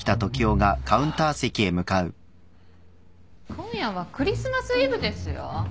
今夜はクリスマスイブですよ？